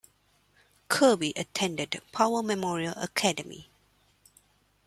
Kirby attended Power Memorial Academy.